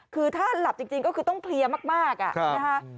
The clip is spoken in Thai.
คือถ้าหลับจริงก็คือต้องเพลียมากนะคะ